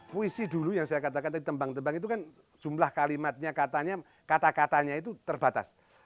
puisi dulu yang saya katakan tadi tembang tembang itu kan jumlah kalimatnya katanya kata katanya itu terbatas